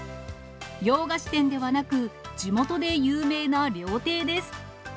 洋菓子店ではなく、地元で有名な料亭です。